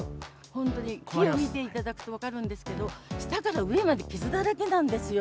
本当に木を見ていただくと分かるんですけど、下から上まで傷だらけなんですよ。